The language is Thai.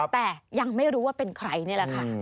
แต่ยังไม่รู้ว่าเป็นใครนี่แหละค่ะ